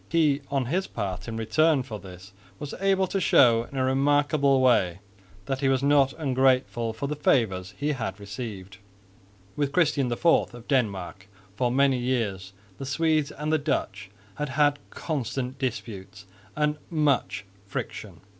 He on his part in return for this was able to show in a remarkable way that he was not ungrateful for the favours that he had received. With Christian IV of Denmark for many years the Swedes and the Dutch had had constant disputes and much friction.